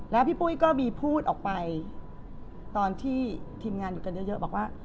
แล้วพี่ปุ้ยก็มีพูดออกไปตอนที่ทีมงานอยู่กันเยอะบอกว่า